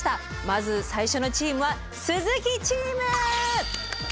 まず最初のチームは鈴木チーム！